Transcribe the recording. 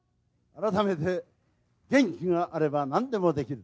改めて、元気があればなんでもできる。